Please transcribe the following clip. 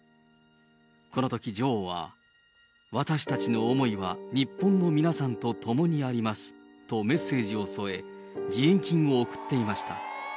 このとき、女王は、私たちの思いは日本の皆さんとともにありますとメッセージを添え、義援金を送っていました。